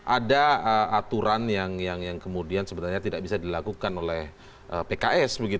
ada aturan yang kemudian sebenarnya tidak bisa dilakukan oleh pks